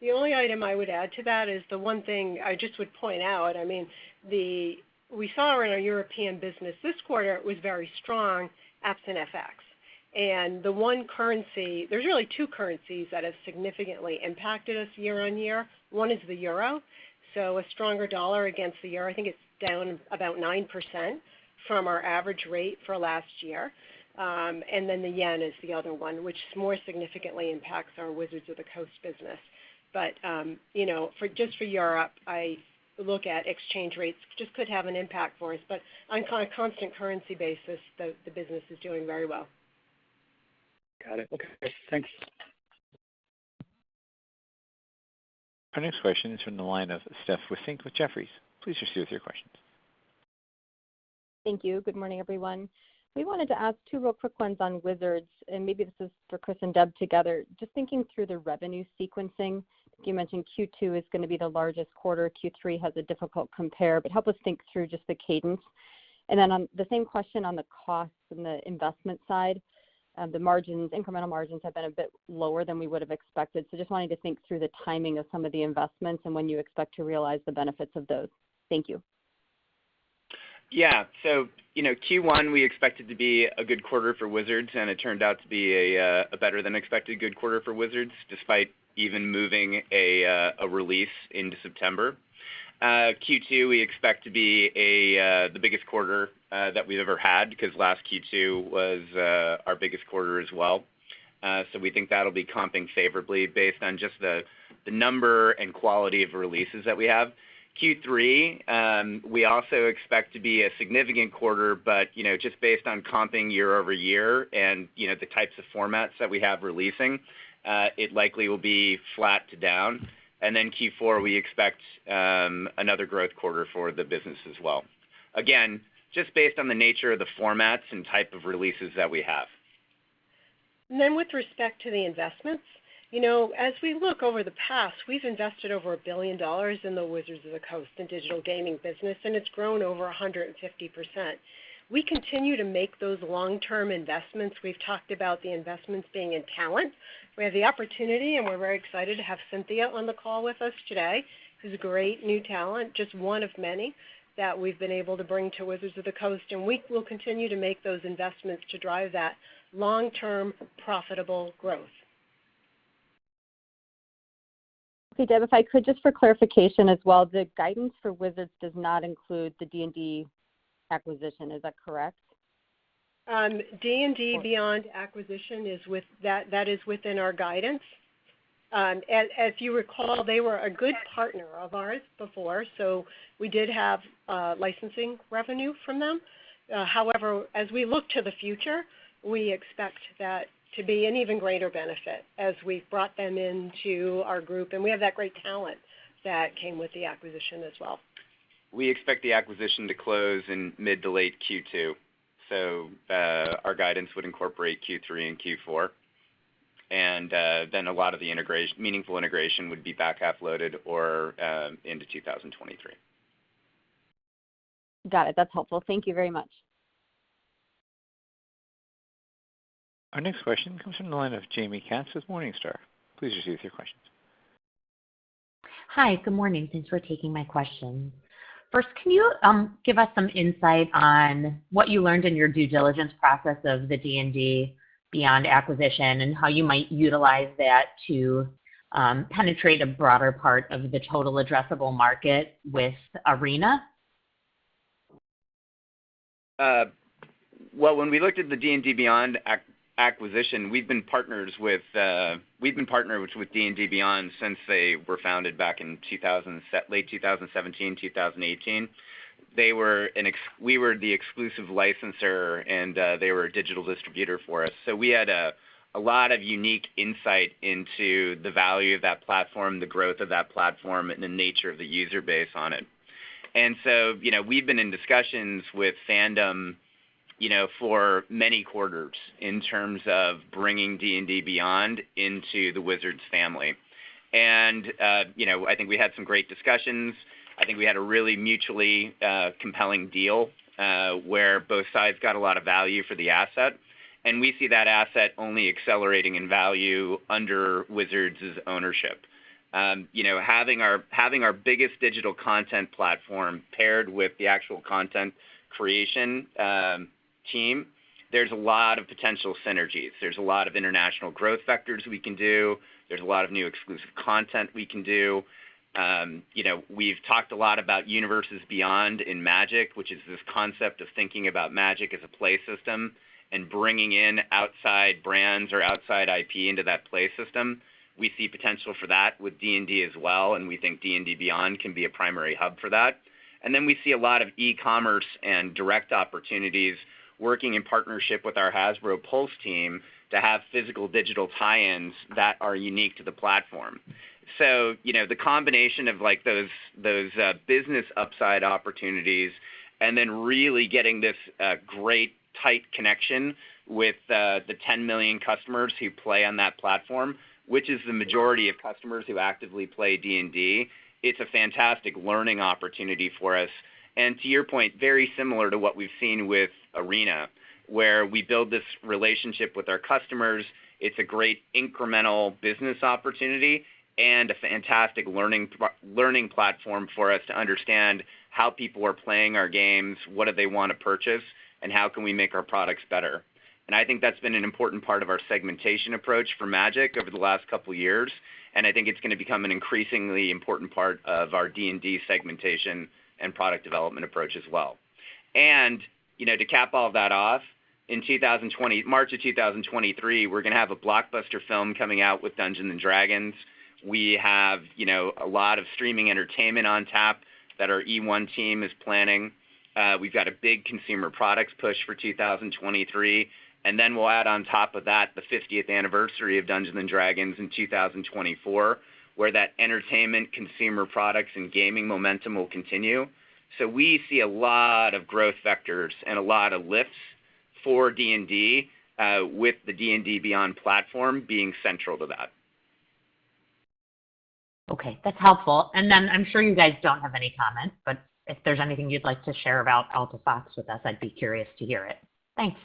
The only item I would add to that is the one thing I just would point out, I mean, we saw in our European business this quarter, it was very strong, absent FX. The one currency. There's really two currencies that have significantly impacted us year-over-year. One is the euro, so a stronger dollar against the euro, I think it's down about 9% from our average rate for last year. And then the yen is the other one, which more significantly impacts our Wizards of the Coast business. You know, for just for Europe, I look at exchange rates just could have an impact for us, but on a constant currency basis, the business is doing very well. Got it. Okay. Thanks. Our next question is from the line of Steph with Jefferies. Please proceed with your questions. Thank you. Good morning, everyone. We wanted to ask two real quick ones on Wizards, and maybe this is for Chris and Deb together. Just thinking through the revenue sequencing, you mentioned Q2 is gonna be the largest quarter. Q3 has a difficult compare, but help us think through just the cadence. On the same question on the costs and the investment side, the margins, incremental margins have been a bit lower than we would have expected. Just wanting to think through the timing of some of the investments and when you expect to realize the benefits of those. Thank you. Yeah. You know, Q1, we expected to be a good quarter for Wizards, and it turned out to be a better than expected good quarter for Wizards, despite even moving a release into September. Q2, we expect to be the biggest quarter that we've ever had 'cause last Q2 was our biggest quarter as well. So we think that'll be comping favorably based on just the number and quality of releases that we have. Q3, we also expect to be a significant quarter, but you know, just based on comping year-over-year and you know, the types of formats that we have releasing, it likely will be flat to down. Q4, we expect another growth quarter for the business as well. Again, just based on the nature of the formats and type of releases that we have. With respect to the investments, you know, as we look over the past, we've invested over $1 billion in the Wizards of the Coast and Digital Gaming business, and it's grown over 150%. We continue to make those long-term investments. We've talked about the investments being in talent. We have the opportunity, and we're very excited to have Cynthia on the call with us today, who's a great new talent, just one of many that we've been able to bring to Wizards of the Coast. We will continue to make those investments to drive that long-term profitable growth. Okay, Deb, if I could just for clarification as well, the guidance for Wizards does not include the D&D acquisition, is that correct? D&D Beyond acquisition is with that. That is within our guidance. As you recall, they were a good partner of ours before, so we did have licensing revenue from them. However, as we look to the future, we expect that to be an even greater benefit as we've brought them into our group, and we have that great talent that came with the acquisition as well. We expect the acquisition to close in mid to late Q2. Our guidance would incorporate Q3 and Q4. A lot of the integration, meaningful integration would be back half loaded or into 2023. Got it. That's helpful. Thank you very much. Our next question comes from the line of Jaime Katz with Morningstar. Please proceed with your questions. Hi. Good morning. Thanks for taking my question. First, can you give us some insight on what you learned in your due diligence process of the D&D Beyond acquisition and how you might utilize that to penetrate a broader part of the total addressable market with Arena? Well, when we looked at the D&D Beyond acquisition, we've been partners with D&D Beyond since they were founded back in late 2017, 2018. We were the exclusive licensor, and they were a digital distributor for us. So we had a lot of unique insight into the value of that platform, the growth of that platform, and the nature of the user base on it. You know, we've been in discussions with Fandom, you know, for many quarters in terms of bringing D&D Beyond into the Wizards family. You know, I think we had some great discussions. I think we had a really mutually compelling deal, where both sides got a lot of value for the asset, and we see that asset only accelerating in value under Wizards' ownership. You know, having our biggest digital content platform paired with the actual content creation team, there's a lot of potential synergies. There's a lot of international growth vectors we can do. There's a lot of new exclusive content we can do. You know, we've talked a lot about Universes Beyond in Magic, which is this concept of thinking about Magic as a play system and bringing in outside brands or outside IP into that play system. We see potential for that with D&D as well, and we think D&D Beyond can be a primary hub for that. We see a lot of e-commerce and direct opportunities working in partnership with our Hasbro Pulse team to have physical-digital tie-ins that are unique to the platform. You know, the combination of, like, those business upside opportunities and then really getting this great tight connection with the 10 million customers who play on that platform, which is the majority of customers who actively play D&D, it's a fantastic learning opportunity for us. To your point, very similar to what we've seen with Arena, where we build this relationship with our customers. It's a great incremental business opportunity and a fantastic learning platform for us to understand how people are playing our games, what do they wanna purchase, and how can we make our products better. I think that's been an important part of our segmentation approach for Magic over the last couple years, and I think it's gonna become an increasingly important part of our D&D segmentation and product development approach as well. You know, to cap all that off, in March 2023, we're gonna have a blockbuster film coming out with Dungeons & Dragons. We have, you know, a lot of streaming entertainment on tap that our eOne team is planning. We've got a big consumer products push for 2023, and then we'll add on top of that the fiftieth anniversary of Dungeons & Dragons in 2024, where that entertainment, consumer products, and gaming momentum will continue. We see a lot of growth vectors and a lot of lifts for D&D, with the D&D Beyond platform being central to that. Okay, that's helpful. I'm sure you guys don't have any comments, but if there's anything you'd like to share about Alta Fox with us, I'd be curious to hear it. Thanks.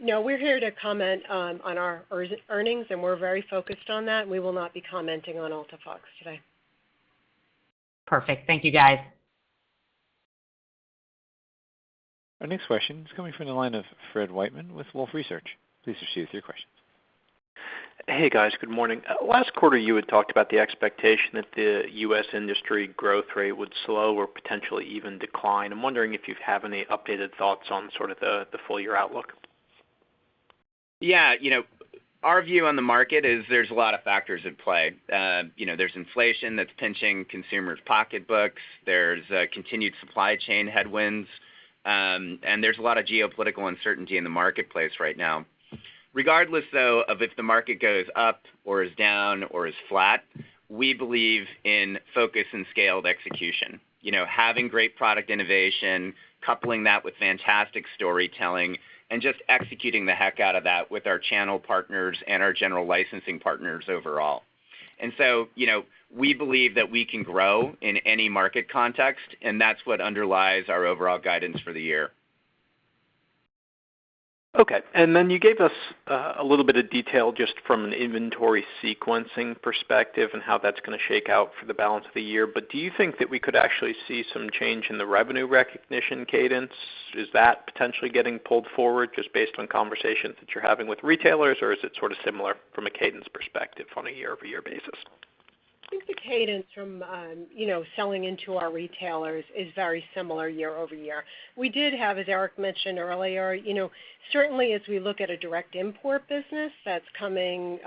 No, we're here to comment on our earnings, and we're very focused on that, and we will not be commenting on Alta Fox today. Perfect. Thank you, guys. Our next question is coming from the line of Fred Wightman with Wolfe Research. Please proceed with your questions. Hey, guys. Good morning. Last quarter, you had talked about the expectation that the U.S. industry growth rate would slow or potentially even decline. I'm wondering if you have any updated thoughts on sort of the full year outlook. Yeah. You know, our view on the market is there's a lot of factors at play. You know, there's inflation that's pinching consumers' pocketbooks. There's continued supply chain headwinds, and there's a lot of geopolitical uncertainty in the marketplace right now. Regardless, though, of if the market goes up or is down or is flat, we believe in focus and scaled execution. You know, having great product innovation, coupling that with fantastic storytelling, and just executing the heck out of that with our channel partners and our general licensing partners overall. You know, we believe that we can grow in any market context, and that's what underlies our overall guidance for the year. Okay. You gave us a little bit of detail just from an inventory sequencing perspective and how that's gonna shake out for the balance of the year. Do you think that we could actually see some change in the revenue recognition cadence? Is that potentially getting pulled forward just based on conversations that you're having with retailers, or is it sort of similar from a cadence perspective on a year-over-year basis? I think the cadence from, you know, selling into our retailers is very similar year-over-year. We did have, as Eric mentioned earlier, you know, certainly as we look at a direct import business that's coming,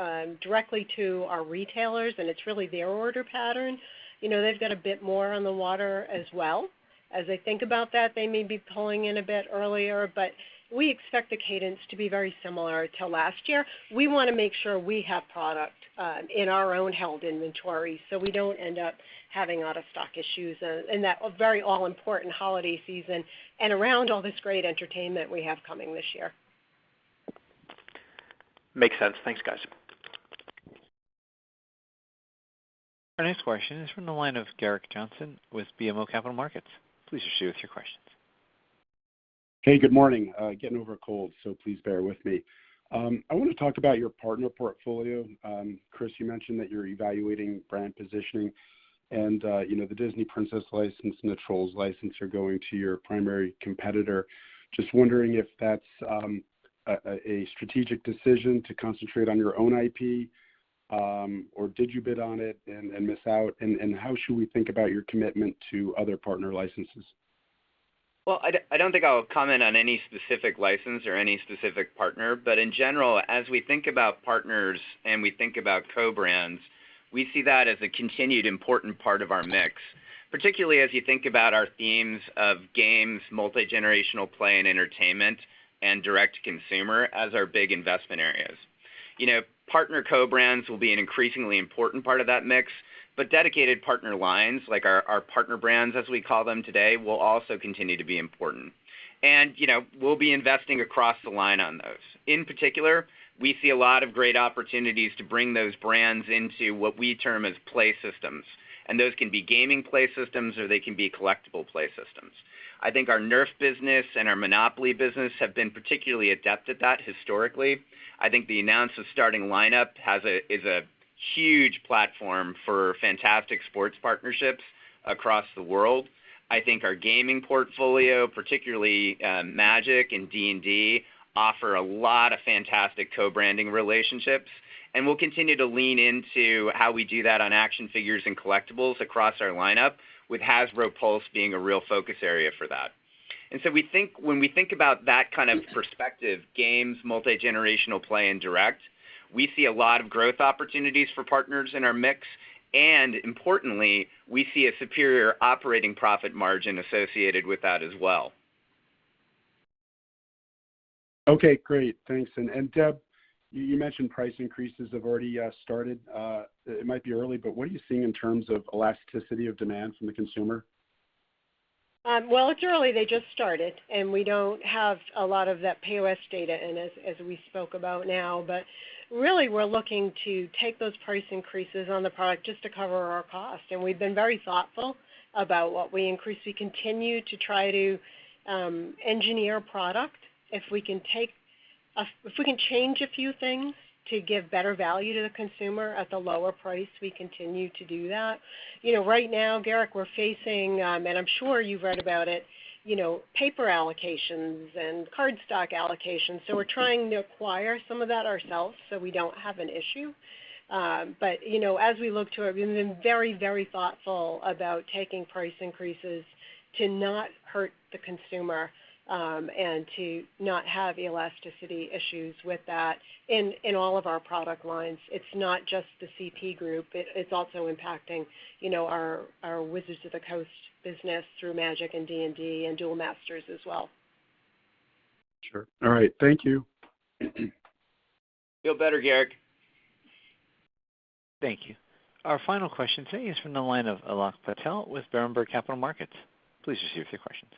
directly to our retailers and it's really their order pattern, you know, they've got a bit more on the water as well. As they think about that, they may be pulling in a bit earlier, but we expect the cadence to be very similar to last year. We wanna make sure we have product, in our own held inventory, so we don't end up having out-of-stock issues, in that very all important holiday season and around all this great entertainment we have coming this year. Makes sense. Thanks, guys. Our next question is from the line of Gerrick Johnson with BMO Capital Markets. Please proceed with your questions. Hey, good morning. Getting over a cold, so please bear with me. I wanna talk about your partner portfolio. Chris, you mentioned that you're evaluating brand positioning and, you know, the Disney Princess license and the Trolls license are going to your primary competitor. Just wondering if that's a strategic decision to concentrate on your own IP, or did you bid on it and miss out? How should we think about your commitment to other partner licenses? I don't think I'll comment on any specific license or any specific partner. In general, as we think about partners and we think about co-brands, we see that as a continued important part of our mix, particularly as you think about our themes of games, multigenerational play and entertainment, and direct to consumer as our big investment areas. You know, partner co-brands will be an increasingly important part of that mix, but dedicated partner lines like our partner brands, as we call them today, will also continue to be important. You know, we'll be investing across the line on those. In particular, we see a lot of great opportunities to bring those brands into what we term as play systems, and those can be gaming play systems or they can be collectible play systems. I think our Nerf business and our MONOPOLY business have been particularly adept at that historically. I think the announcement of Starting Lineup is a huge platform for fantastic sports partnerships across the world. I think our gaming portfolio, particularly, Magic and D&D, offer a lot of fantastic co-branding relationships, and we'll continue to lean into how we do that on action figures and collectibles across our lineup, with Hasbro Pulse being a real focus area for that. We think when we think about that kind of perspective, games, multigenerational play, and direct, we see a lot of growth opportunities for partners in our mix, and importantly, we see a superior operating profit margin associated with that as well. Okay, great. Thanks. Deb, you mentioned price increases have already started. It might be early, but what are you seeing in terms of elasticity of demand from the consumer? Well, it's early. They just started, and we don't have a lot of that POS data in as we spoke about now. Really we're looking to take those price increases on the product just to cover our cost, and we've been very thoughtful about what we increase. We continue to try to engineer product. If we can change a few things to give better value to the consumer at the lower price, we continue to do that. You know, right now, Gerrick, we're facing, and I'm sure you've read about it, you know, paper allocations and card stock allocations, so we're trying to acquire some of that ourselves so we don't have an issue. As we look to it, we've been very, very thoughtful about taking price increases to not hurt the consumer and to not have elasticity issues with that in all of our product lines. It's not just the CPG. It's also impacting, you know, our Wizards of the Coast business through Magic and D&D and Duel Masters as well. Sure. All right. Thank you. Feel better, Gerrick. Thank you. Our final question today is from the line of Alok Patel with Berenberg Capital Markets. Please proceed with your questions.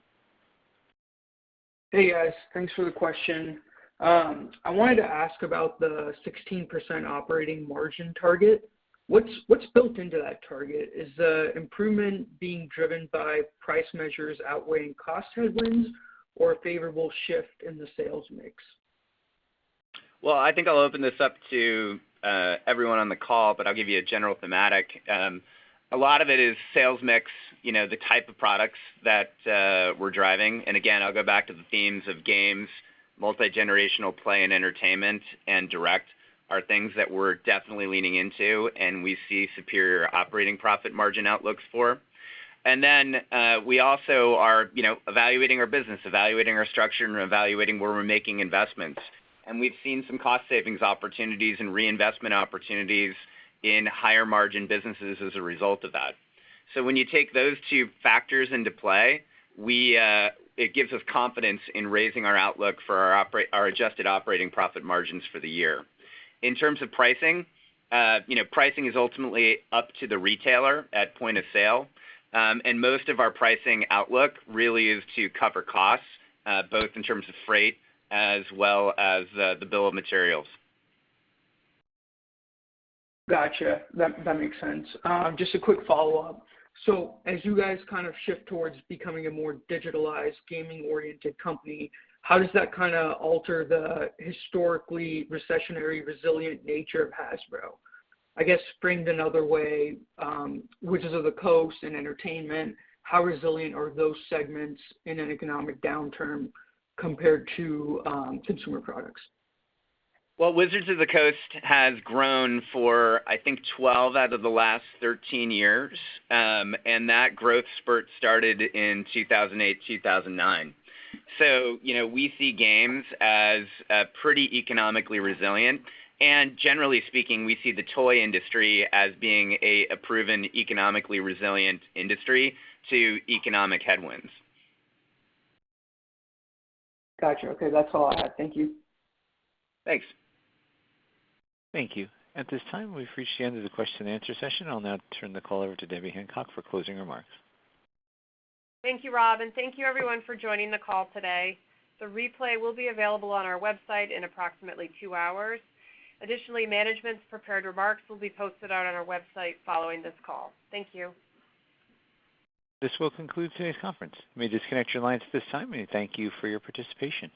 Hey, guys. Thanks for the question. I wanted to ask about the 16% operating margin target. What's built into that target? Is the improvement being driven by price measures outweighing cost headwinds or a favorable shift in the sales mix? Well, I think I'll open this up to everyone on the call, but I'll give you a general thematic. A lot of it is sales mix, you know, the type of products that we're driving. Again, I'll go back to the themes of games, multigenerational play and entertainment, and direct are things that we're definitely leaning into, and we see superior operating profit margin outlooks for. We also are, you know, evaluating our business, evaluating our structure, and evaluating where we're making investments. We've seen some cost savings opportunities and reinvestment opportunities in higher margin businesses as a result of that. When you take those two factors into play, it gives us confidence in raising our outlook for our adjusted operating profit margins for the year. In terms of pricing, you know, pricing is ultimately up to the retailer at point of sale. Most of our pricing outlook really is to cover costs, both in terms of freight as well as the bill of materials. Gotcha. That makes sense. Just a quick follow-up. As you guys kind of shift towards becoming a more digitalized gaming-oriented company, how does that kinda alter the historically recessionary resilient nature of Hasbro? I guess framed another way, Wizards of the Coast and entertainment, how resilient are those segments in an economic downturn compared to, consumer products? Well, Wizards of the Coast has grown for, I think, 12 out of the last 13 years, and that growth spurt started in 2008, 2009. You know, we see games as pretty economically resilient. Generally speaking, we see the toy industry as being a proven economically resilient industry to economic headwinds. Gotcha. Okay. That's all I had. Thank you. Thanks. Thank you. At this time, we've reached the end of the question and answer session. I'll now turn the call over to Debbie Hancock for closing remarks. Thank you, Rob, and thank you everyone for joining the call today. The replay will be available on our website in approximately two hours. Additionally, management's prepared remarks will be posted on our website following this call. Thank you. This will conclude today's conference. You may disconnect your lines at this time. We thank you for your participation.